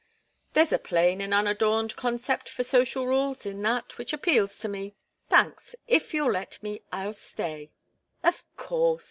"There's a plain and unadorned contempt for social rules in that, which appeals to me. Thanks; if you'll let me, I'll stay." "Of course!"